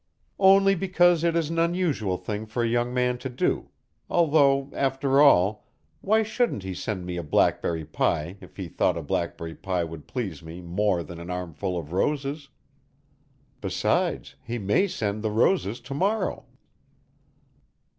"Only because it is an unusual thing for a young man to do, although, after all, why shouldn't he send me a blackberry pie if he thought a blackberry pie would please me more than an armful of roses? Besides, he may send the roses to morrow."